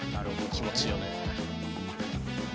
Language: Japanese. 気持ちいいよね。